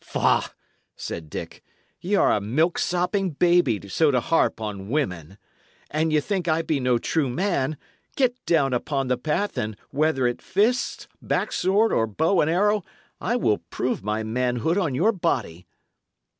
"Faugh!" said Dick. "Y' are a milk sopping baby, so to harp on women. An ye think I be no true man, get down upon the path, and whether at fists, back sword, or bow and arrow, I will prove my manhood on your body."